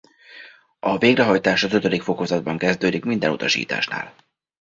A végrehajtás az ötödik fokozatban kezdődik minden utasításnál.